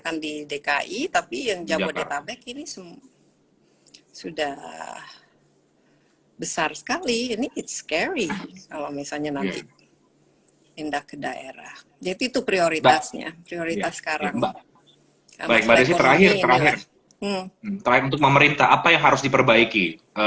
prioritas sekarang baik baik terakhir terakhir untuk pemerintah apa yang harus diperbaiki